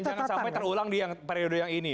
jangan sampai terulang di periode yang ini